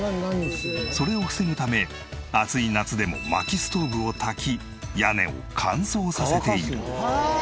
それを防ぐため暑い夏でも薪ストーブを焚き屋根を乾燥させている。